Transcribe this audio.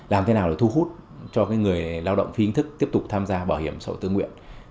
làm thế nào để thu hút cho người lao động phi hình thức tiếp tục tham gia bảo hiểm sổ tư nguyện